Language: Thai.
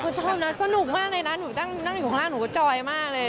คือชอบนะสนุกมากเลยนะหนูนั่งอยู่ข้างล่างหนูก็จอยมากเลย